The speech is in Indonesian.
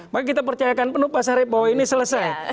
maka kita percayakan penuh pak sarip bahwa ini selesai